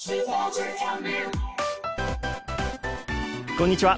こんにちは。